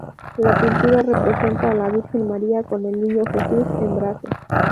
La pintura representa a la Virgen María con el niño Jesús en brazos.